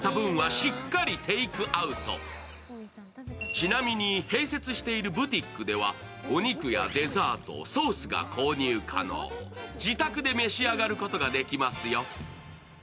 ちなみに併設しているブティックではお肉やデザート、ソースが購入可能自宅で召し上がることができますよ。